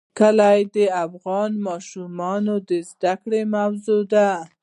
کلي د افغان ماشومانو د زده کړې موضوع ده.